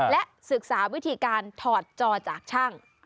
และศึกษาวิธีการถอดจอจากช่าง